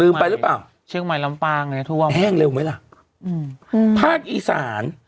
ไปหรือเปล่าเชียงใหม่ลำปางเนี้ยท่วมแห้งเร็วไหมล่ะอืมภาคอีสาน